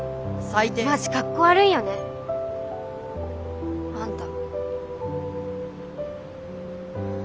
マジかっこ悪いよねあんた。